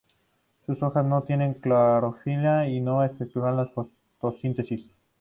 Sus hojas no tienen clorofila y no efectúan la fotosíntesis.